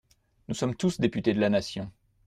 Nous sommes tous députés de la nation.